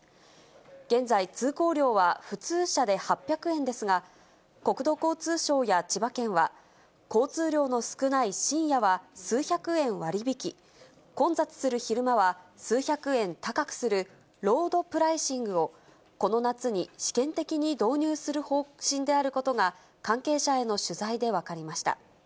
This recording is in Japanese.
現在、通行料は普通車で８００円ですが、国土交通省や千葉県は、交通量の少ない深夜は数百円割り引き、混雑する昼間は数百円高くする、ロードプライシングをこの夏に試験的に導入する方針であることが、関係者への取材で分かりました。